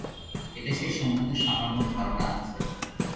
এদেশে এ-সম্বন্ধে সামান্য ধারণা আছে।